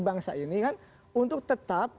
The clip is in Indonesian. bangsa ini untuk tetap